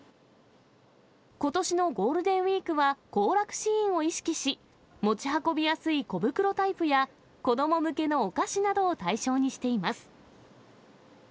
ことしのゴールデンウィークは、行楽シーンを意識し、持ち運びやすい小袋タイプや、子ども向けのお菓子などを対象にしています。